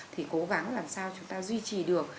thì cố gắng làm sao chúng ta duy trì được